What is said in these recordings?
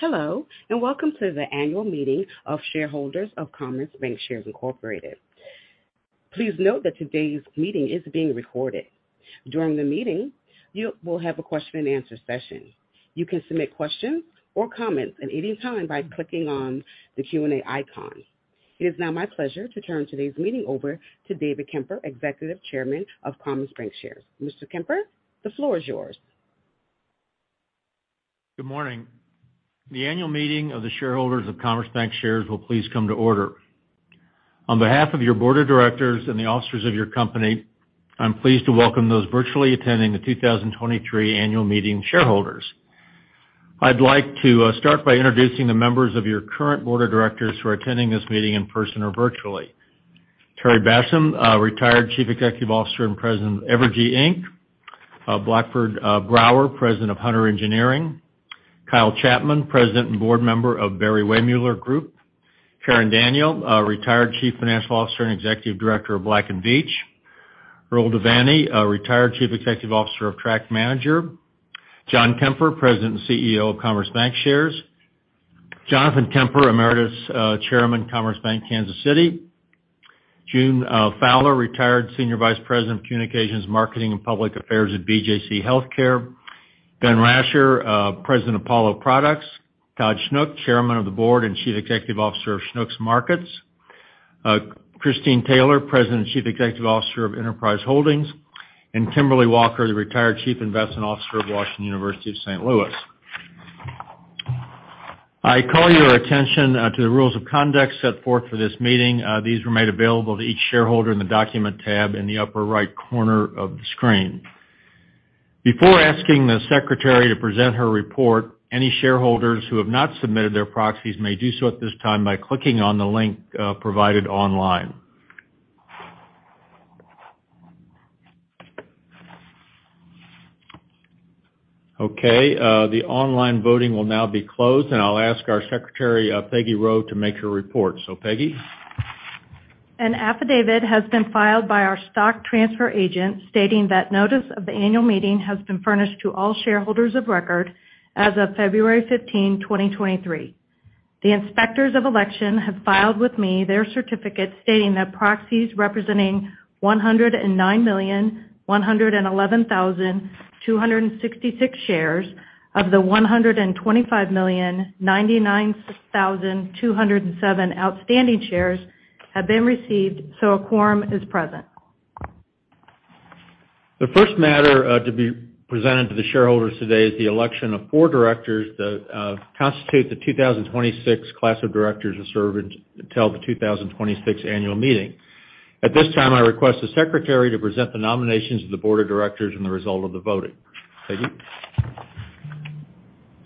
Hello, welcome to the annual meeting of shareholders of Commerce Bancshares, Inc. Please note that today's meeting is being recorded. During the meeting, you will have a question and answer session. You can submit questions or comments at any time by clicking on the Q&A icon. It is now my pleasure to turn today's meeting over to David Kemper, Executive Chairman of Commerce Bank Shares. Mr. Kemper, the floor is yours. Good morning. The annual meeting of the shareholders of Commerce Bancshares will please come to order. On behalf of your board of directors and the officers of your company, I'm pleased to welcome those virtually attending the 2023 annual meeting shareholders. I'd like to start by introducing the members of your current board of directors who are attending this meeting in person or virtually. Terry Bassham, Retired Chief Executive Officer and President of Evergy Inc. Blackford Brauer, President of Hunter Engineering Company. Kyle Chapman, President and Board Member of Barry-Wehmiller Companies. Karen Daniel, Retired Chief Financial Officer and Executive Director of Black & Veatch. Earl Devanny, Retired Chief Executive Officer of TractManager. John Kemper, President and CEO of Commerce Bancshares. Jonathan Kemper, Emeritus, Chairman, Commerce Bank, Kansas City. June Fowler, Retired Senior Vice President of Communications, Marketing, and Public Affairs at BJC HealthCare. Benjamin Rechter, President, Apollo Products. Todd Schnuck, Chairman of the Board and Chief Executive Officer of Schnuck Markets. Christine Taylor, President and Chief Executive Officer of Enterprise Holdings. Kimberly Walker, the Retired Chief Investment Officer of Washington University of St. Louis. I call your attention to the rules of conduct set forth for this meeting. These were made available to each shareholder in the document tab in the upper right corner of the screen. Before asking the secretary to present her report, any shareholders who have not submitted their proxies may do so at this time by clicking on the link provided online. Okay. The online voting will now be closed, and I'll ask our Secretary, Peggy Rowe, to make her report. Peggy? An affidavit has been filed by our stock transfer agent stating that notice of the annual meeting has been furnished to all shareholders of record as of February 15, 2023. The inspectors of election have filed with me their certificate stating that proxies representing 109,111,266 shares of the 125,099,207 outstanding shares have been received, a quorum is present. The first matter, to be presented to the shareholders today is the election of four directors that, constitute the 2026 class of directors to serve until the 2026 annual meeting. At this time, I request the secretary to present the nominations of the board of directors and the result of the voting. Peggy?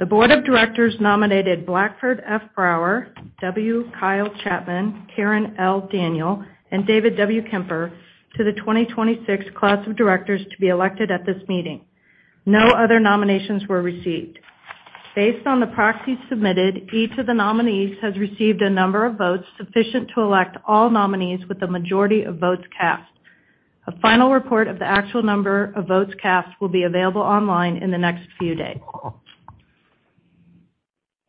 The board of directors nominated Blackford F. Brauer, W. Kyle Chapman, Karen L. Daniel, and David W. Kemper to the 2026 class of directors to be elected at this meeting. No other nominations were received. Based on the proxies submitted, each of the nominees has received a number of votes sufficient to elect all nominees with the majority of votes cast. A final report of the actual number of votes cast will be available online in the next few days.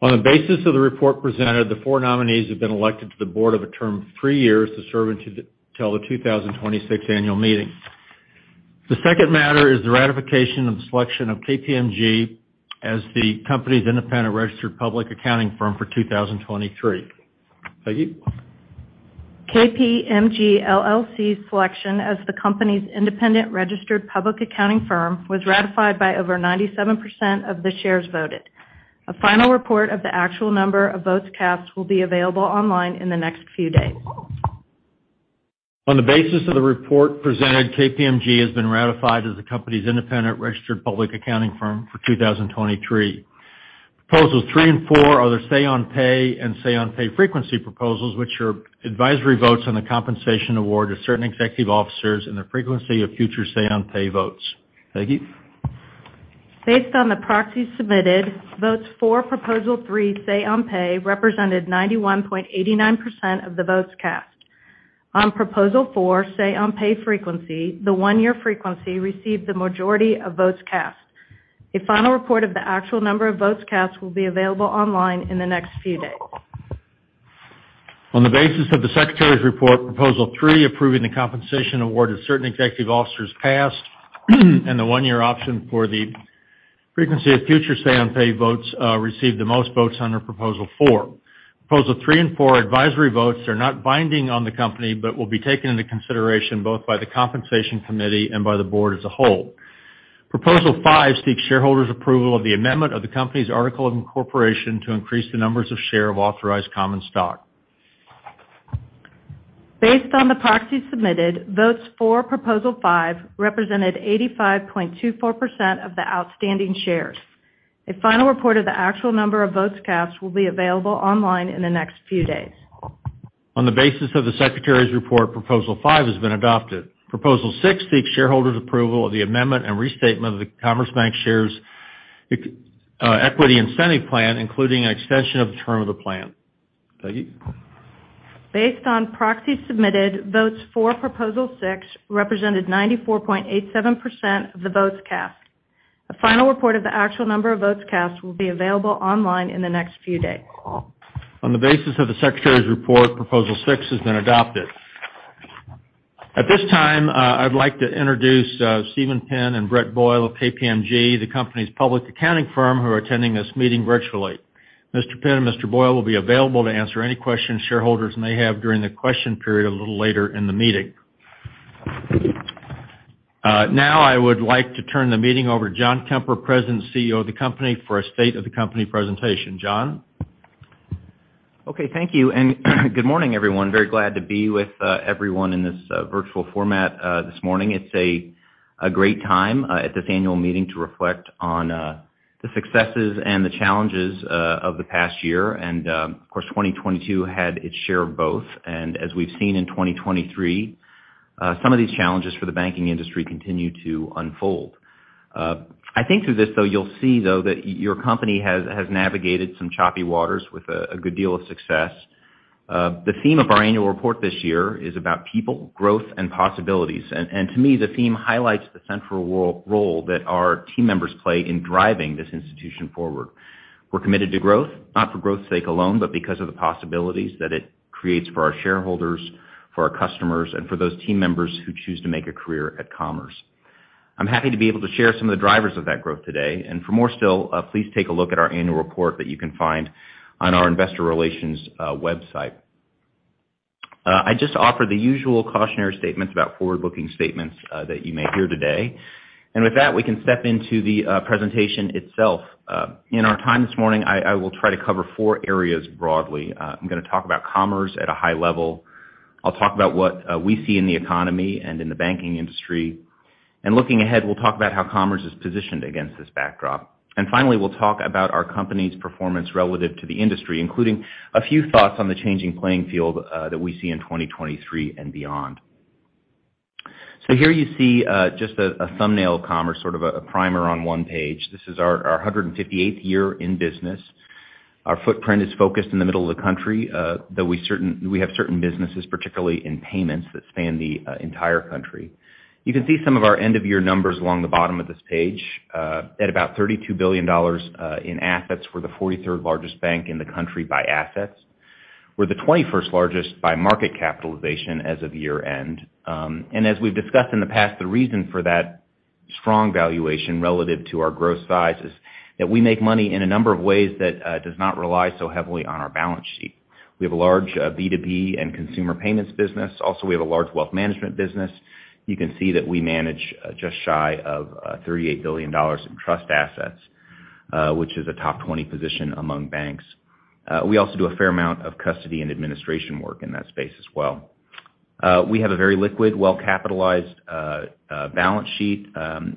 On the basis of the report presented, the 4 nominees have been elected to the board of a term of 3 years to serve until the 2026 annual meeting. The second matter is the ratification of the selection of KPMG as the company's independent registered public accounting firm for 2023. Peggy? KPMG LLP's selection as the company's independent registered public accounting firm was ratified by over 97% of the shares voted. A final report of the actual number of votes cast will be available online in the next few days. On the basis of the report presented, KPMG has been ratified as the company's independent registered public accounting firm for 2023. Proposals 3 and four are the say-on-pay and say-on-pay frequency proposals, which are advisory votes on the compensation award of certain executive officers and the frequency of future say-on-pay votes. Peggy? Based on the proxies submitted, votes for proposal 3, say-on-pay, represented 91.89% of the votes cast. On proposal 4, say-on-pay frequency, the 1-year frequency received the majority of votes cast. A final report of the actual number of votes cast will be available online in the next few days. On the basis of the secretary's report, Proposal 3, approving the compensation award of certain executive officers passed and the one-year option for the frequency of future say-on-pay votes received the most votes under Proposal 4. Proposal 3 and fouradvisory votes are not binding on the company but will be taken into consideration both by the compensation committee and by the board as a whole. Proposal 5 seeks shareholders' approval of the amendment of the company's article of incorporation to increase the numbers of share of authorized common stock. Based on the proxies submitted, votes for proposal 5 represented 85.24% of the outstanding shares. A final report of the actual number of votes cast will be available online in the next few days. On the basis of the secretary's report, proposal 5 has been adopted. Proposal 6 seeks shareholders' approval of the amendment and restatement of the Commerce Bancshares Equity Incentive Plan, including an extension of the term of the plan. Peggy? Based on proxies submitted, votes for Proposal 6 represented 94.87% of the votes cast. A final report of the actual number of votes cast will be available online in the next few days. On the basis of the secretary's report, Proposal 6 has been adopted. At this time, I'd like to introduce Stephen Penn and Brett Boyle of KPMG, the company's public accounting firm, who are attending this meeting virtually. Mr. Penn and Mr. Boyle will be available to answer any questions shareholders may have during the question period a little later in the meeting. Now I would like to turn the meeting over to John Kemper, President and CEO of the company, for a state of the company presentation. John? Okay. Thank you. Good morning, everyone. Very glad to be with everyone in this virtual format this morning. It's a great time at this annual meeting to reflect on the successes and the challenges of the past year. Of course, 2022 had its share of both. As we've seen in 2023, some of these challenges for the banking industry continue to unfold. I think through this, though, you'll see though that your company has navigated some choppy waters with a good deal of success. The theme of our annual report this year is about people, growth, and possibilities. To me, the theme highlights the central role that our team members play in driving this institution forward. We're committed to growth, not for growth's sake alone, but because of the possibilities that it creates for our shareholders, for our customers, and for those team members who choose to make a career at Commerce. I'm happy to be able to share some of the drivers of that growth today. For more still, please take a look at our annual report that you can find on our investor relations website. I just offer the usual cautionary statements about forward-looking statements that you may hear today. With that, we can step into the presentation itself. In our time this morning, I will try to cover four areas broadly. I'm gonna talk about Commerce at a high level. I'll talk about what we see in the economy and in the banking industry. Looking ahead, we'll talk about how Commerce is positioned against this backdrop. Finally, we'll talk about our company's performance relative to the industry, including a few thoughts on the changing playing field that we see in 2023 and beyond. Here you see just a thumbnail of Commerce, sort of a primer on one page. This is our 158th year in business. Our footprint is focused in the middle of the country, though we have certain businesses, particularly in payments, that span the entire country. You can see some of our end-of-year numbers along the bottom of this page. At about $32 billion in assets, we're the 43rd largest bank in the country by assets. We're the 21st largest by market capitalization as of year-end. As we've discussed in the past, the reason for that strong valuation relative to our growth size is that we make money in a number of ways that does not rely so heavily on our balance sheet. We have a large B2B and consumer payments business. Also, we have a large wealth management business. You can see that we manage just shy of $38 billion in trust assets, which is a top 20 position among banks. We also do a fair amount of custody and administration work in that space as well. We have a very liquid, well-capitalized balance sheet,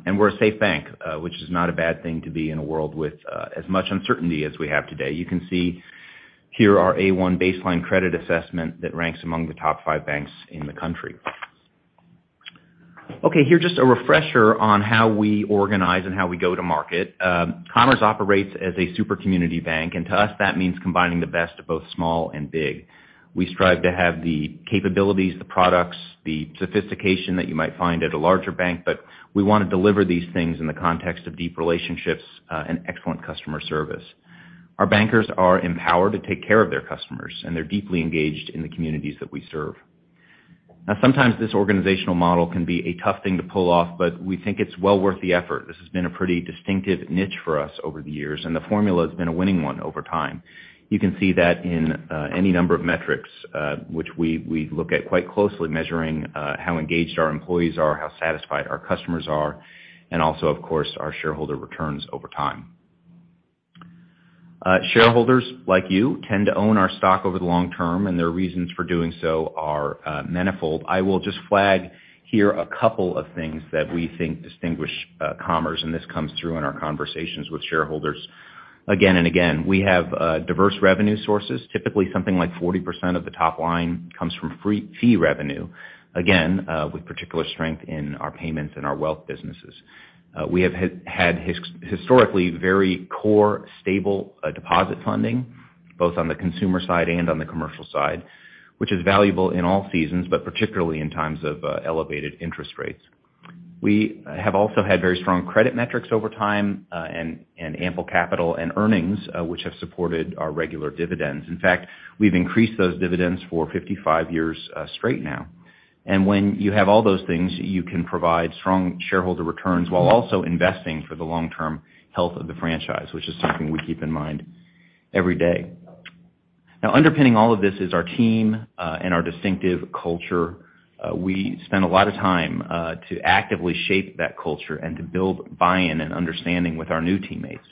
we're a safe bank, which is not a bad thing to be in a world with as much uncertainty as we have today. You can see here our A1 Baseline Credit Assessment that ranks among the top 5 banks in the country. Okay, here, just a refresher on how we organize and how we go to market. Commerce operates as a super community bank. To us, that means combining the best of both small and big. We strive to have the capabilities, the products, the sophistication that you might find at a larger bank, but we wanna deliver these things in the context of deep relationships and excellent customer service. Our bankers are empowered to take care of their customers, and they're deeply engaged in the communities that we serve. Now sometimes this organizational model can be a tough thing to pull off, but we think it's well worth the effort. This has been a pretty distinctive niche for us over the years, and the formula has been a winning one over time. You can see that in any number of metrics, which we look at quite closely, measuring how engaged our employees are, how satisfied our customers are, and also, of course, our shareholder returns over time. Shareholders like you tend to own our stock over the long term, and their reasons for doing so are manifold. I will just flag here a couple of things that we think distinguish Commerce, and this comes through in our conversations with shareholders again and again. We have diverse revenue sources. Typically, something like 40% of the top line comes from fee revenue, again, with particular strength in our payments and our wealth businesses. We have had historically very core, stable, deposit funding, both on the consumer side and on the commercial side, which is valuable in all seasons, but particularly in times of elevated interest rates. We have also had very strong credit metrics over time, and ample capital and earnings, which have supported our regular dividends. In fact, we've increased those dividends for 55 years straight now. When you have all those things, you can provide strong shareholder returns while also investing for the long-term health of the franchise, which is something we keep in mind every day. Underpinning all of this is our team and our distinctive culture. We spend a lot of time to actively shape that culture and to build buy-in and understanding with our new teammates.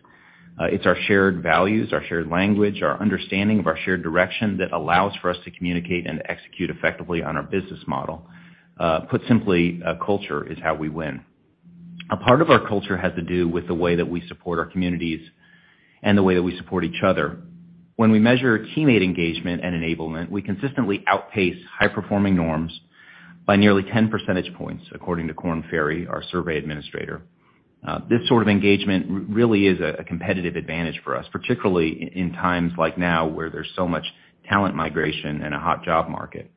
It's our shared values, our shared language, our understanding of our shared direction that allows for us to communicate and execute effectively on our business model. Put simply, culture is how we win. A part of our culture has to do with the way that we support our communities and the way that we support each other. When we measure teammate engagement and enablement, we consistently outpace high-performing norms by nearly 10 percentage points according to Korn Ferry, our survey administrator. This sort of engagement really is a competitive advantage for us, particularly in times like now where there's so much talent migration and a hot job market.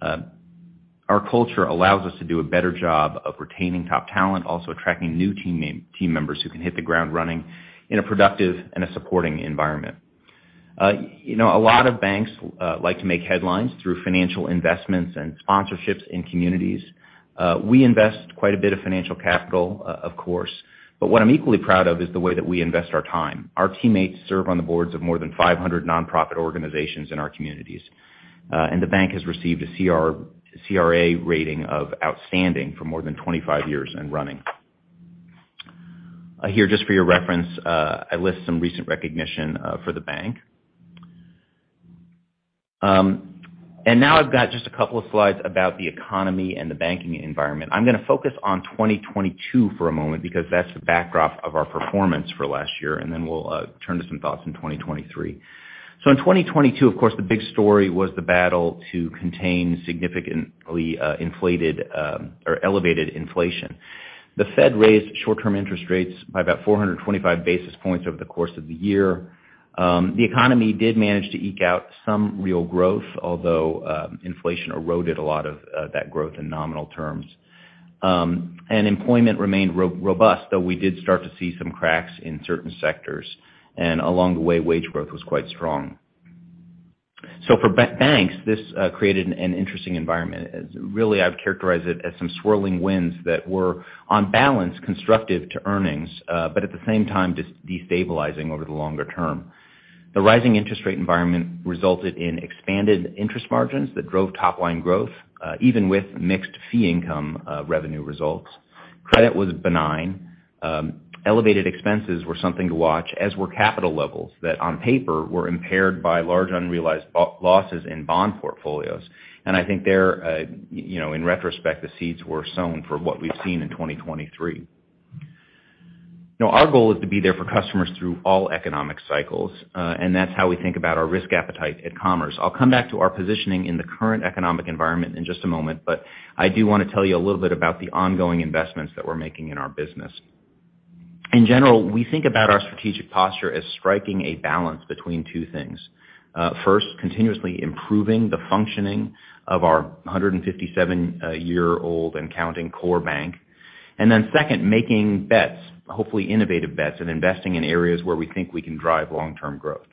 Our culture allows us to do a better job of retaining top talent, also attracting new team members who can hit the ground running in a productive and a supporting environment. You know, a lot of banks like to make headlines through financial investments and sponsorships in communities. We invest quite a bit of financial capital of course, but what I'm equally proud of is the way that we invest our time. Our teammates serve on the boards of more than 500 nonprofit organizations in our communities, and the bank has received a CRA rating of outstanding for more than 25 years and running. Here, just for your reference, I list some recent recognition for the bank. Now I've got just a couple of slides about the economy and the banking environment. I'm gonna focus on 2022 for a moment because that's the backdrop of our performance for last year, and then we'll turn to some thoughts in 2023. In 2022, of course, the big story was the battle to contain significantly inflated or elevated inflation. The Fed raised short-term interest rates by about 425 basis points over the course of the year. The economy did manage to eke out some real growth, although inflation eroded a lot of that growth in nominal terms. And employment remained robust, though we did start to see some cracks in certain sectors, and along the way, wage growth was quite strong. For banks, this created an interesting environment. Really, I would characterize it as some swirling winds that were on balance constructive to earnings, but at the same time destabilizing over the longer term. The rising interest rate environment resulted in expanded interest margins that drove top line growth, even with mixed fee income revenue results. Credit was benign. Elevated expenses were something to watch, as were capital levels that, on paper, were impaired by large unrealized losses in bond portfolios. I think there, you know, in retrospect, the seeds were sown for what we've seen in 2023. Our goal is to be there for customers through all economic cycles, and that's how we think about our risk appetite at Commerce. I'll come back to our positioning in the current economic environment in just a moment, I do wanna tell you a little bit about the ongoing investments that we're making in our business. In general, we think about our strategic posture as striking a balance between two things. First, continuously improving the functioning of our 157-year-old and counting core bank. Second, making bets, hopefully innovative bets, and investing in areas where we think we can drive long-term growth.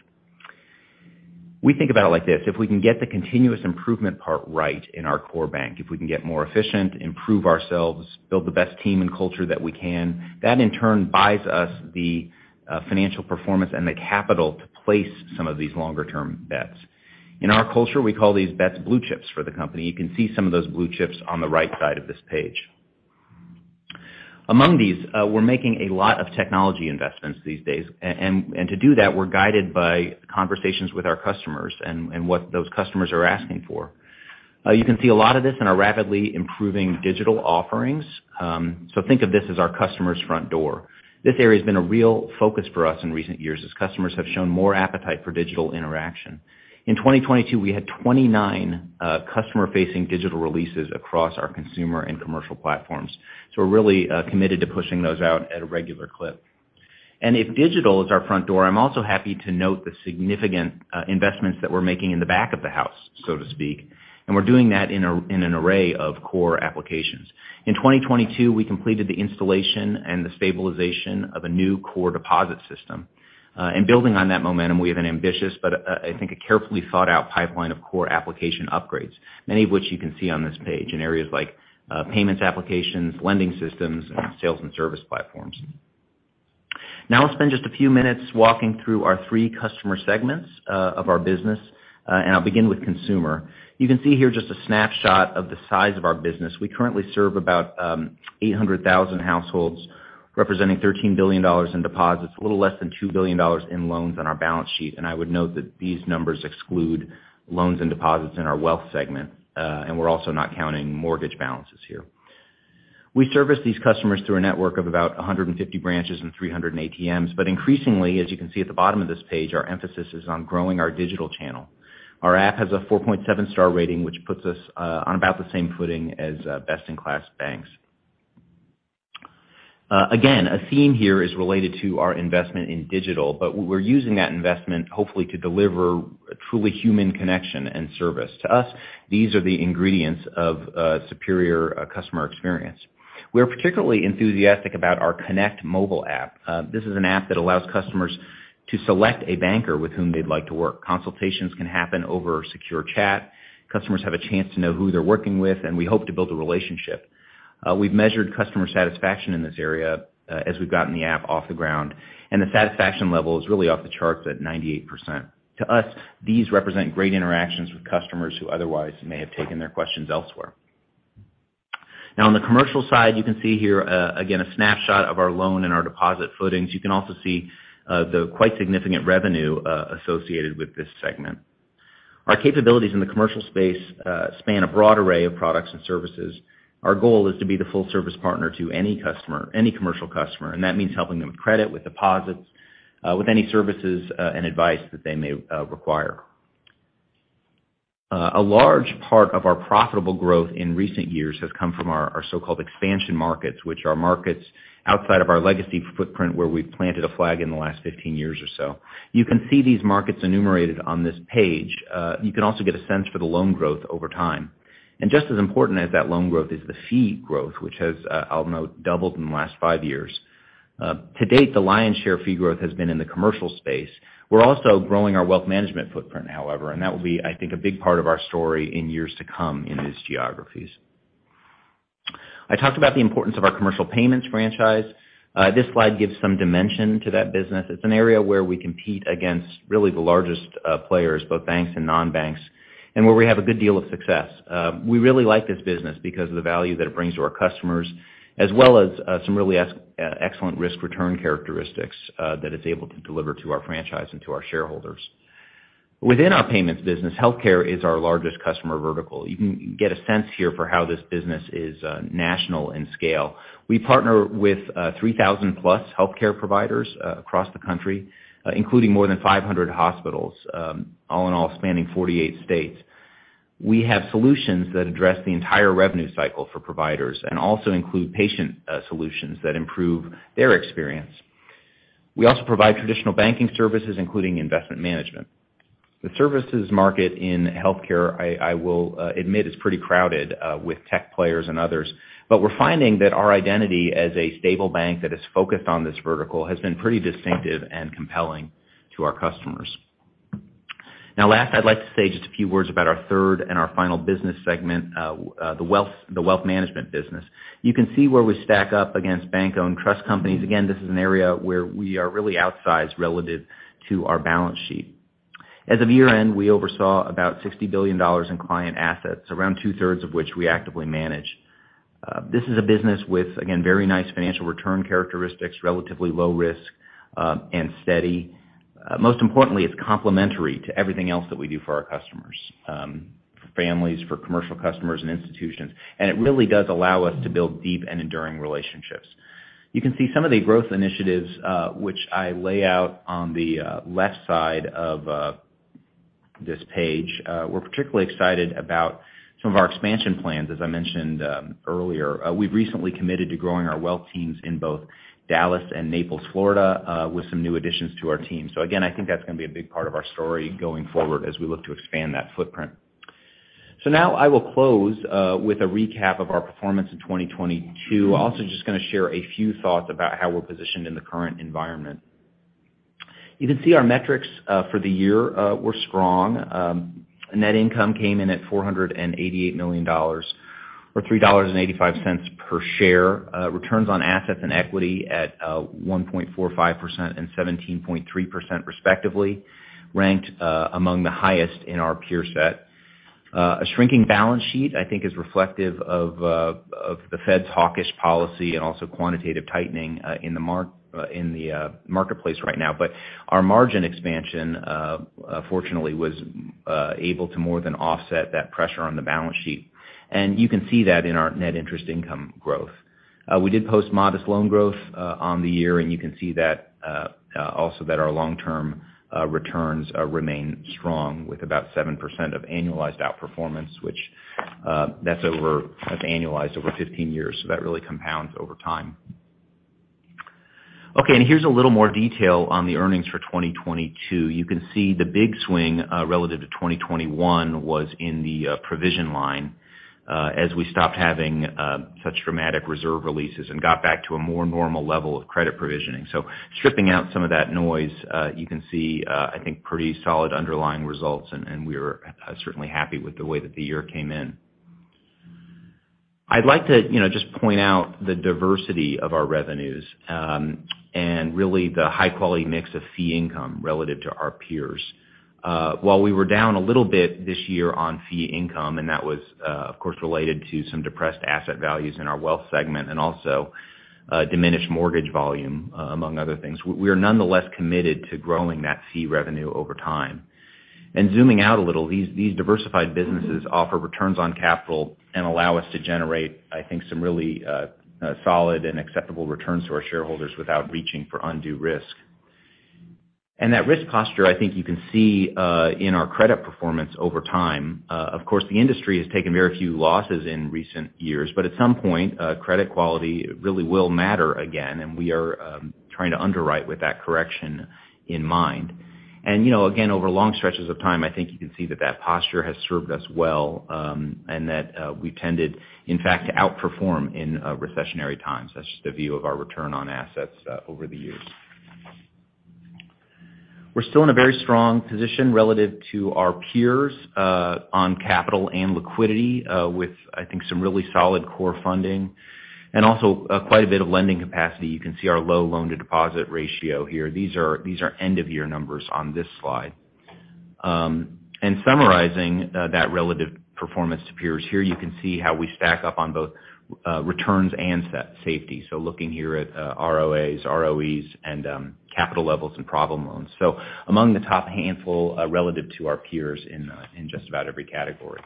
We think about it like this. If we can get the continuous improvement part right in our core bank, if we can get more efficient, improve ourselves, build the best team and culture that we can, that in turn buys us the financial performance and the capital to place some of these longer term bets. In our culture, we call these bets blue chips for the company. You can see some of those blue chips on the right side of this page. Among these, we're making a lot of technology investments these days. And to do that, we're guided by conversations with our customers and what those customers are asking for. You can see a lot of this in our rapidly improving digital offerings. Think of this as our customer's front door. This area has been a real focus for us in recent years as customers have shown more appetite for digital interaction. In 2022, we had 29 customer-facing digital releases across our consumer and commercial platforms. We're really committed to pushing those out at a regular clip. If digital is our front door, I'm also happy to note the significant investments that we're making in the back of the house, so to speak, and we're doing that in an array of core applications. In 2022, we completed the installation and the stabilization of a new core deposit system. Building on that momentum, we have an ambitious, but I think a carefully thought out pipeline of core application upgrades, many of which you can see on this page in areas like payments applications, lending systems, and sales and service platforms. I'll spend just a few minutes walking through our three customer segments of our business, I'll begin with consumer. You can see here just a snapshot of the size of our business. We currently serve about 800,000 households representing $13 billion in deposits, a little less than $2 billion in loans on our balance sheet. I would note that these numbers exclude loans and deposits in our wealth segment, we're also not counting mortgage balances here. We service these customers through a network of about 150 branches and 300 ATMs. Increasingly, as you can see at the bottom of this page, our emphasis is on growing our digital channel. Our app has a 4.7-star rating, which puts us on about the same footing as best-in-class banks. Again, a theme here is related to our investment in digital. We're using that investment hopefully to deliver a truly human connection and service. To us, these are the ingredients of superior customer experience. We're particularly enthusiastic about our Connect mobile app. This is an app that allows customers to select a banker with whom they'd like to work. Consultations can happen over secure chat. Customers have a chance to know who they're working with. We hope to build a relationship. We've measured customer satisfaction in this area, as we've gotten the app off the ground, and the satisfaction level is really off the charts at 98%. To us, these represent great interactions with customers who otherwise may have taken their questions elsewhere. On the commercial side, you can see here, again, a snapshot of our loan and our deposit footings. You can also see, the quite significant revenue, associated with this segment. Our capabilities in the commercial space, span a broad array of products and services. Our goal is to be the full service partner to any customer, any commercial customer, and that means helping them with credit, with deposits, with any services, and advice that they may require. A large part of our profitable growth in recent years has come from our so-called expansion markets, which are markets outside of our legacy footprint where we've planted a flag in the last 15 years or so. You can see these markets enumerated on this page. You can also get a sense for the loan growth over time. Just as important as that loan growth is the fee growth, which has, I'll note, doubled in the last 5 years. To date, the lion's share fee growth has been in the commercial space. We're also growing our wealth management footprint, however. That will be, I think, a big part of our story in years to come in these geographies. I talked about the importance of our commercial payments franchise. This slide gives some dimension to that business. It's an area where we compete against really the largest players, both banks and non-banks, and where we have a good deal of success. We really like this business because of the value that it brings to our customers, as well as excellent risk return characteristics that it's able to deliver to our franchise and to our shareholders. Within our payments business, healthcare is our largest customer vertical. You can get a sense here for how this business is national in scale. We partner with 3,000+ healthcare providers across the country, including more than 500 hospitals, all in all spanning 48 states. We have solutions that address the entire revenue cycle for providers and also include patient solutions that improve their experience. We also provide traditional banking services, including investment management. The services market in healthcare, I will admit, is pretty crowded with tech players and others, but we're finding that our identity as a stable bank that is focused on this vertical has been pretty distinctive and compelling to our customers. Last, I'd like to say just a few words about our third and our final business segment, the wealth management business. You can see where we stack up against bank-owned trust companies. Again, this is an area where we are really outsized relative to our balance sheet. As of year-end, we oversaw about $60 billion in client assets, around two-thirds of which we actively manage. This is a business with, again, very nice financial return characteristics, relatively low risk, and steady. Most importantly, it's complementary to everything else that we do for our customers, for families, for commercial customers and institutions, and it really does allow us to build deep and enduring relationships. You can see some of the growth initiatives, which I lay out on the left side of this page. We're particularly excited about some of our expansion plans, as I mentioned earlier. We've recently committed to growing our wealth teams in both Dallas and Naples, Florida, with some new additions to our team. Again, I think that's gonna be a big part of our story going forward as we look to expand that footprint. Now I will close with a recap of our performance in 2022. Also, just gonna share a few thoughts about how we're positioned in the current environment. You can see our metrics for the year were strong. Net income came in at $488 million or $3.85 per share. Returns on assets and equity at 1.45% and 17.3% respectively, ranked among the highest in our peer set. A shrinking balance sheet, I think is reflective of the Fed's hawkish policy and also quantitative tightening in the marketplace right now. Our margin expansion, fortunately was able to more than offset that pressure on the balance sheet. You can see that in our net interest income growth. We did post modest loan growth on the year, and you can see that also that our long-term returns remain strong with about 7% of annualized outperformance, which that's annualized over 15 years. That really compounds over time. Here's a little more detail on the earnings for 2022. You can see the big swing relative to 2021 was in the provision line as we stopped having such dramatic reserve releases and got back to a more normal level of credit provisioning. Stripping out some of that noise, you can see, I think, pretty solid underlying results and we are certainly happy with the way that the year came in. I'd like to, you know, just point out the diversity of our revenues, and really the high-quality mix of fee income relative to our peers. While we were down a little bit this year on fee income, and that was, of course, related to some depressed asset values in our wealth segment and also, diminished mortgage volume, among other things. We're nonetheless committed to growing that fee revenue over time. Zooming out a little, these diversified businesses offer returns on capital and allow us to generate, I think, some really, solid and acceptable returns to our shareholders without reaching for undue risk. That risk posture, I think you can see, in our credit performance over time. Of course, the industry has taken very few losses in recent years, but at some point, credit quality really will matter again, and we are trying to underwrite with that correction in mind. You know, again, over long stretches of time, I think you can see that that posture has served us well, and that we tended, in fact, to outperform in recessionary times. That's just a view of our return on assets over the years. We're still in a very strong position relative to our peers, on capital and liquidity, with, I think, some really solid core funding and also quite a bit of lending capacity. You can see our low loan-to-deposit ratio here. These are end-of-year numbers on this slide. Summarizing that relative performance to peers. Here you can see how we stack up on both returns and safety. Looking here at ROAs, ROEs, and capital levels and problem loans. Among the top handful, relative to our peers in just about every category.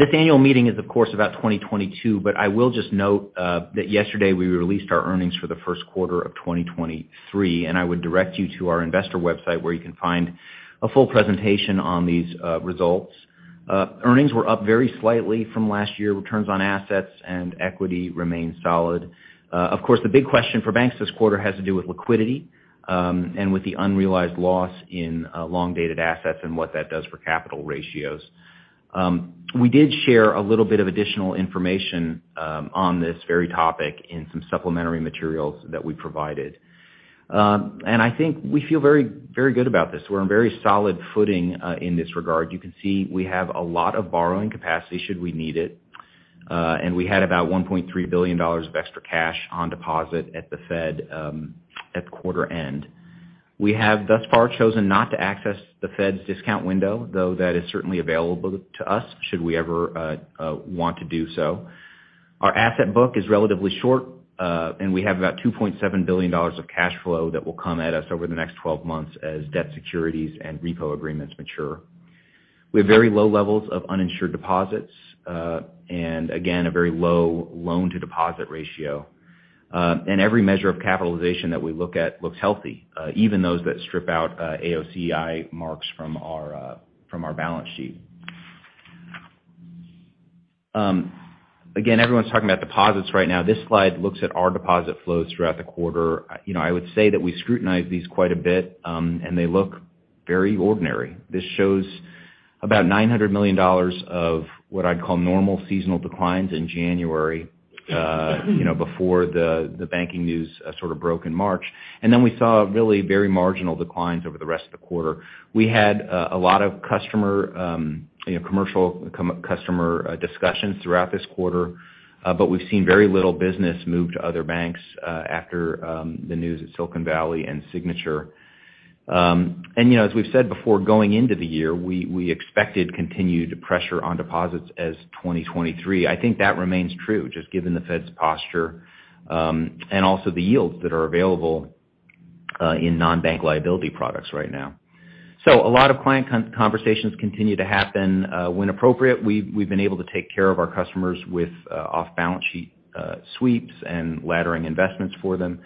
This annual meeting is of course about 2022. I will just note that yesterday we released our earnings for the first quarter of 2023. I would direct you to our investor website where you can find a full presentation on these results. Earnings were up very slightly from last year. Returns on assets and equity remain solid. Of course, the big question for banks this quarter has to do with liquidity, and with the unrealized loss in long-dated assets and what that does for capital ratios. We did share a little bit of additional information on this very topic in some supplementary materials that we provided. I think we feel very, very good about this. We're in very solid footing in this regard. You can see we have a lot of borrowing capacity should we need it. We had about $1.3 billion of extra cash on deposit at the Fed at quarter end. We have thus far chosen not to access the Fed's discount window, though that is certainly available to us should we ever want to do so. Our asset book is relatively short, we have about $2.7 billion of cash flow that will come at us over the next 12 months as debt securities and repo agreements mature. We have very low levels of uninsured deposits, again, a very low loan-to-deposit ratio. Every measure of capitalization that we look at looks healthy, even those that strip out AOCI marks from our from our balance sheet. Again, everyone's talking about deposits right now. This slide looks at our deposit flows throughout the quarter. You know, I would say that we scrutinize these quite a bit, and they look very ordinary. This shows about $900 million of what I'd call normal seasonal declines in January, you know, before the banking news sort of broke in March. We saw really very marginal declines over the rest of the quarter. We had a lot of customer, you know, commercial customer discussions throughout this quarter, but we've seen very little business move to other banks after the news at Silicon Valley and Signature. You know, as we've said before, going into the year, we expected continued pressure on deposits as 2023. I think that remains true just given the Fed's posture and also the yields that are available in non-bank liability products right now. A lot of client conversations continue to happen. When appropriate, we've been able to take care of our customers with off-balance sheet sweeps and laddering investments for them.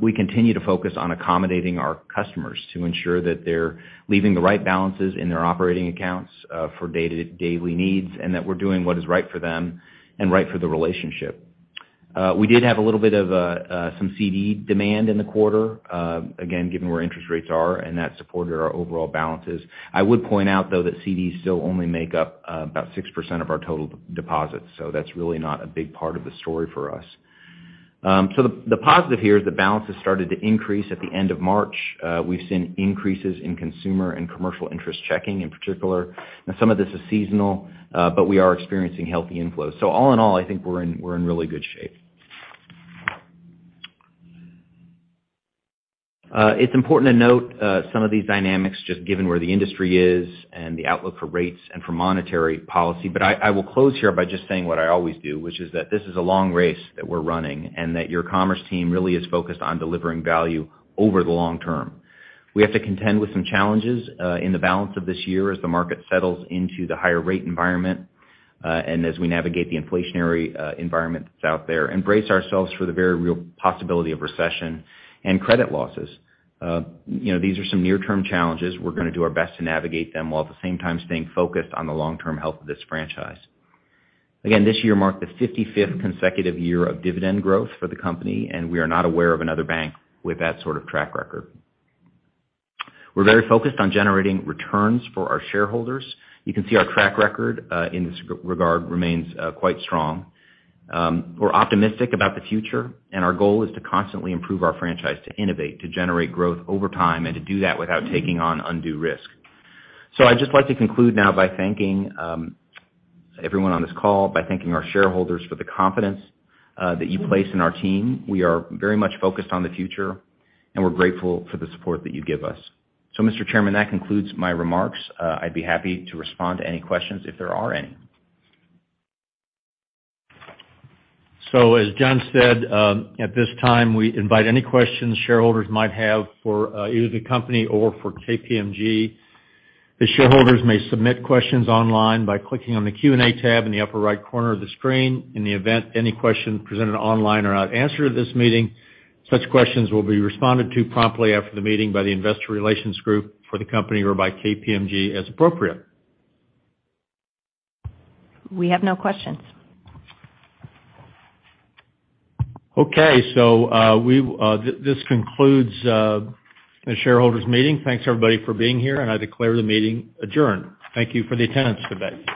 We continue to focus on accommodating our customers to ensure that they're leaving the right balances in their operating accounts for daily needs, and that we're doing what is right for them and right for the relationship. We did have a little bit of some CD demand in the quarter, again, given where interest rates are, and that supported our overall balances. I would point out, though, that CDs still only make up about 6% of our total deposits, so that's really not a big part of the story for us. The positive here is the balances started to increase at the end of March. We've seen increases in consumer and commercial interest checking in particular. Now some of this is seasonal, but we are experiencing healthy inflows. All in all, I think we're in, we're in really good shape. It's important to note some of these dynamics just given where the industry is and the outlook for rates and for monetary policy. I will close here by just saying what I always do, which is that this is a long race that we're running and that your Commerce team really is focused on delivering value over the long term. We have to contend with some challenges in the balance of this year as the market settles into the higher rate environment, and as we navigate the inflationary environment that's out there and brace ourselves for the very real possibility of recession and credit losses. You know, these are some near-term challenges. We're gonna do our best to navigate them while at the same time staying focused on the long-term health of this franchise. This year marked the 55th consecutive year of dividend growth for the company, and we are not aware of another bank with that sort of track record. We're very focused on generating returns for our shareholders. You can see our track record in this regard remains quite strong. We're optimistic about the future and our goal is to constantly improve our franchise, to innovate, to generate growth over time, and to do that without taking on undue risk. I'd just like to conclude now by thanking everyone on this call, by thanking our shareholders for the confidence that you place in our team. We are very much focused on the future, and we're grateful for the support that you give us. Mr. Chairman, that concludes my remarks. I'd be happy to respond to any questions if there are any. As John said, at this time, we invite any questions shareholders might have for either the company or for KPMG. The shareholders may submit questions online by clicking on the Q&A tab in the upper right corner of the screen. In the event any questions presented online are not answered at this meeting, such questions will be responded to promptly after the meeting by the investor relations group for the company or by KPMG as appropriate. We have no questions. Okay. This concludes the shareholders meeting. Thanks, everybody, for being here. I declare the meeting adjourned. Thank you for the attendance today.